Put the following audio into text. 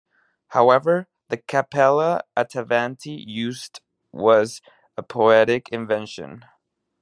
However, the Cappella Attavanti used was a poetic invention.